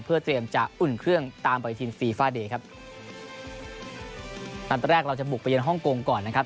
เพื่อเตรียมจะอุ่นเครื่องตามปฏิทินฟีฟาเดย์ครับนัดแรกเราจะบุกไปเย็นฮ่องกงก่อนนะครับ